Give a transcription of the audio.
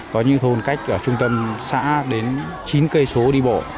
có những thôn cách ở trung tâm xã đến chín km đi bộ